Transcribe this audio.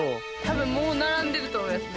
多分もう並んでると思います